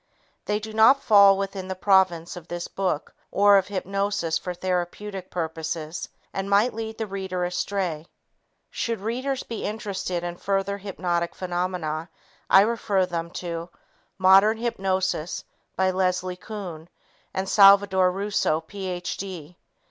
They do not fall within the province of this book or of hypnosis for therapeutic purposes and might lead the reader astray. Should readers be interested in further hypnotic phenomena, I refer them to Modern Hypnosis by Leslie Kuhn and Salvadore Russo, Ph.D.